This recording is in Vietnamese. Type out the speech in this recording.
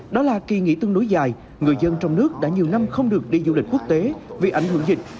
đó là kỳ nghỉ tương đối dài người dân trong nước đã nhiều năm không được đi du lịch quốc tế vì ảnh hưởng dịch